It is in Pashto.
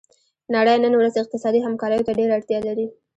نړۍ نن ورځ اقتصادي همکاریو ته ډیره اړتیا لري